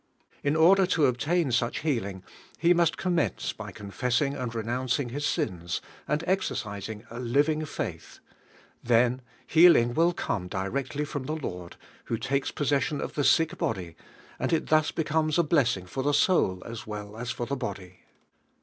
In order to obtain such healing, he must commence by confessing and renouncing his sins, and exercising a living faith. Then heal ing will come directly from the Lord, who takes possession of the sick body, and it DIY1NL HEALING, 23 thus becomes a blessing for the soul as well as for the body.